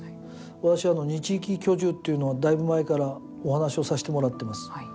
私、二地域居住というのはだいぶ前からお話をさせてもらってます。